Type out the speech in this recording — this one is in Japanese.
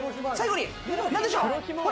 最後に何でしょう？